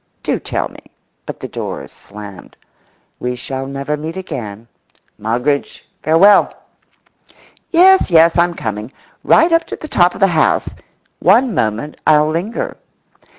Do tell me—but the doors slammed. We shall never meet again. Moggridge, farewell! Yes, yes, I'm coming. Right up to the top of the house. One moment I'll linger.